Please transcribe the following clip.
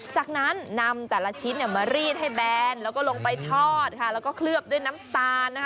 จากนั้นนำแต่ละชิ้นมารีดให้แบนแล้วก็ลงไปทอดค่ะแล้วก็เคลือบด้วยน้ำตาลนะคะ